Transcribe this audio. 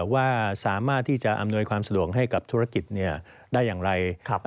ว่าสามารถที่จะอำนวยความสะดวกให้กับธุรกิจได้อย่างไร